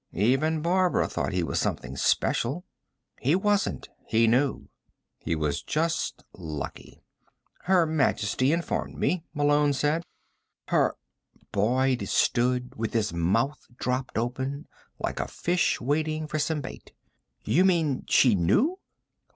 Even Barbara thought he was something special. He wasn't, he knew. He was just lucky. "Her Majesty informed me," Malone said. "Her " Boyd stood with his mouth dropped open, like a fish waiting for some bait. "You mean she knew?"